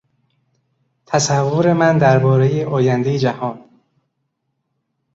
تصور من دربارهی آیندهی جهان